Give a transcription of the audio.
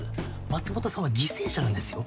松本さんは犠牲者なんですよ？